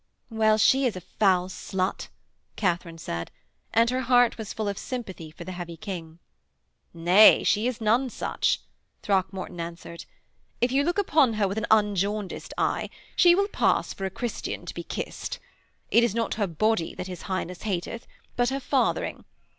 'Well, she is a foul slut,' Katharine said, and her heart was full of sympathy for the heavy King. 'Nay, she is none such,' Throckmorton answered. 'If you look upon her with an unjaundiced eye, she will pass for a Christian to be kissed. It is not her body that his Highness hateth, but her fathering.